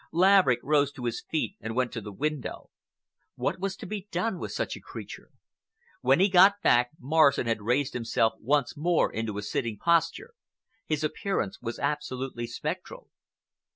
Laverick rose to his feet and went to the window. What was to be done with such a creature! When he got back, Morrison had raised himself once more into a sitting posture. His appearance was absolutely spectral.